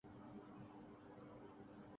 کسی کو دیکھتے رہنا نماز تھی تیری